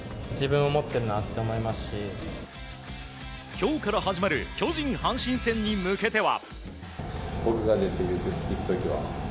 今日から始まる巨人、阪神戦に向けては。